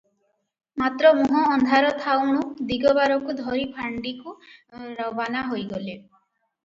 ମାତ୍ର ମୁହଁ ଅନ୍ଧାର ଥାଉଣୁ ଦିଗବାରକୁ ଧରି ଫାଣ୍ଡିକୁ ରବାନା ହୋଇଗଲେ ।